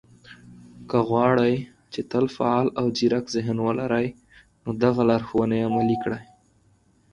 که غواړئ، چې تل فعال او ځيرک ذهن ولرئ، نو دغه لارښوونې عملي کړئ